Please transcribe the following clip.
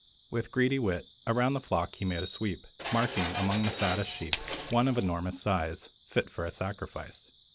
With greedy wit, Around the flock he made a sweep, Marking, among the fattest sheep, One of enormous size, Fit for a sacrifice.